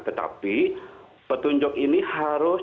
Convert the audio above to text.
tetapi petunjuk ini harus